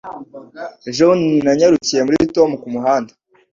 Ejo bundi nanyarukiye muri Tom kumuhanda